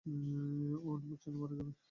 ও ইনফেকশনেই মারা যাবে।